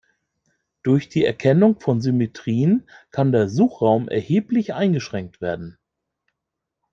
Durch die Erkennung von Symmetrien kann der Suchraum erheblich eingeschränkt werden.